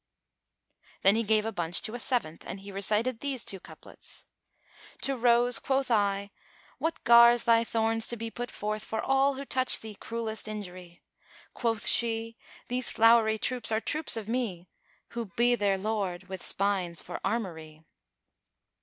"[FN#417] Then he gave a bunch to a seventh and he recited these two couplets, "To Rose quoth I, 'What gars thy thorns to be put forth * For all who touch thee cruellest injury?' Quoth she, 'These flowery troops are troops of me * Who be their lord with spines for armoury.'"